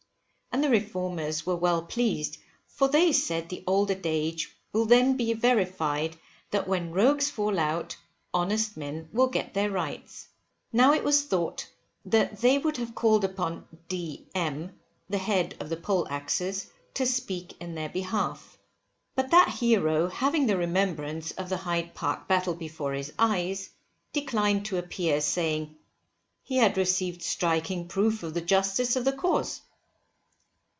And the Reformers were well pleased, for they said the old adage will then be verified that when rogues fall out honest men will get their rights. Now it was thought that they would have called upon D M , the head of the Poleaxes, to speak in their behalf; but that hero having the remembrance of the Hyde Park battle before his eyes, declined to appear, saying, He had received striking proof of the justice of the cause.